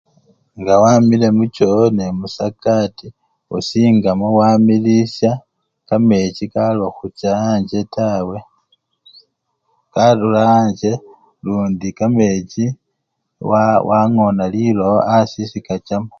Nga wamile muchoo nemusakati, osingamo wamilisya kamechi kaloba khucha anje taa, karura anje lundi kamechi wa! wangona lilowo asii esikachamo.